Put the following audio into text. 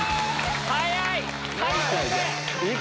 早い！